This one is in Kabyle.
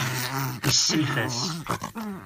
Yesself-as.